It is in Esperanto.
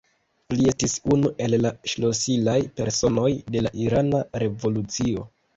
Li estis unu el la ŝlosilaj personoj de la irana revolucio.